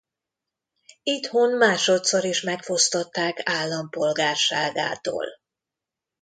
Itthon másodszor is megfosztották állampolgárságától.